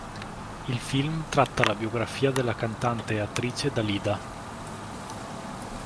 Il film tratta la biografia della cantante e attrice Dalida.